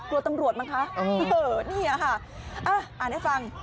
กลัวตำรวจมั้งคะนี่อะค่ะ